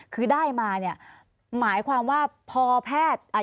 คือได้มาเนี่ยหมายความว่าพอแพทย์